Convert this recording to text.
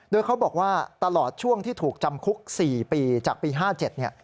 โดยเขาบอกว่าตลอดช่วงที่ถูกจำคุก๔ปีจากปี๕๗เนี่ย